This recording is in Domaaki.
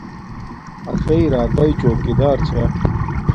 اݽݵ راکاݵ چوکی دار چھا